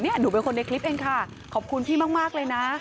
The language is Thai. หนูเป็นคนในคลิปเองค่ะขอบคุณพี่มากเลยนะ